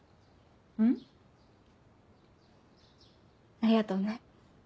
ありがとうね。